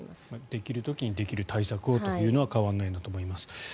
できる時にできる対策をというのは変わらないんだと思います。